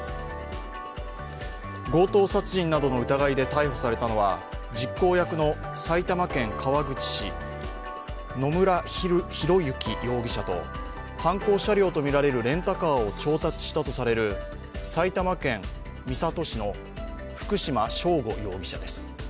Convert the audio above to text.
強盗殺人などの疑いで逮捕されたのは実行役の埼玉県川口市、野村広之容疑者と犯行車両とみられるレンタカーを調達したとされる埼玉県三郷市の福島聖悟容疑者です。